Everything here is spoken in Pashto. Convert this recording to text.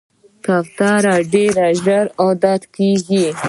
کوتره ډېر ژر عادت کېږي.